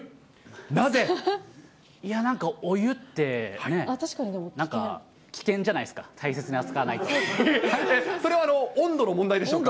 なぜ？いや、なんか、お湯ってなんか危険じゃないですか、大切に扱それは温度の問題ですか？